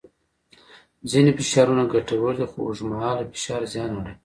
ځینې فشارونه ګټور دي خو اوږدمهاله فشار زیان اړوي.